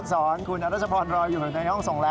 สวัสดีค่ะ